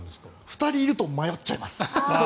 ２人いると迷っちゃいます。